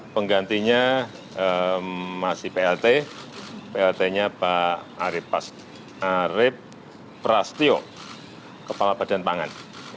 penggantinya masih plt plt nya pak arief prasetyo kepala badan pangan